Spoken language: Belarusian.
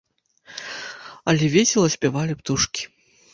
Але весела спявалі птушкі.